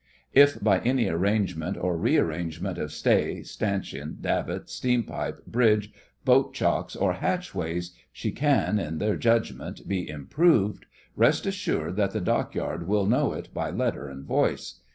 If by any arrangement or rearrangement of stay, stanchion, davit, steam pipe, bridge, boat chocks, or hatchway she can, in their judgment, be improved, rest assured that the dockyard will know it by letter and voice.